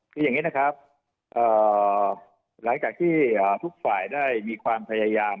คืออย่างนี้นะครับหลังจากที่ทุกฝ่ายได้มีความพยายาม